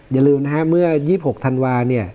อย่าลืมนะฮะเมื่อ๒๖ธันวาเนี่ย